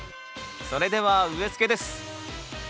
それでは植え付けです